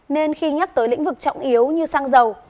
nên khi nhắc tới lĩnh vực trọng yếu như xăng dầu